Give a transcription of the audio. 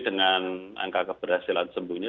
dengan angka keberhasilan sembuhnya